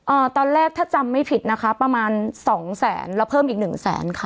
อ่าตอนแรกถ้าจำไม่ผิดนะคะประมาณสองแสนแล้วเพิ่มอีกหนึ่งแสนค่ะ